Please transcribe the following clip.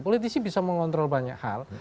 politisi bisa mengontrol banyak hal